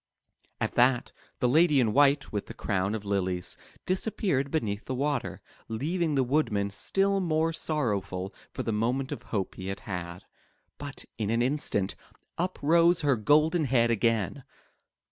At that, the lady in white, with the crown of lilies, disappeared beneath the water, leaving the Woodman still more sorrowful for the moment of hope he had had. But in an instant, up rose her golden head again.